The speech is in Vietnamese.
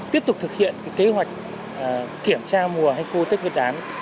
tiếp tục thực hiện kế hoạch kiểm tra mùa hay khô tết nguyên đán